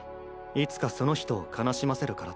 いつかその人を悲しませるから」